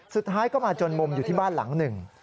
สุดท้ายก็มาจนมุมอยู่ที่บ้านหลังหนึ่ง